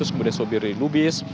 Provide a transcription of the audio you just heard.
kemudian sobiri lubis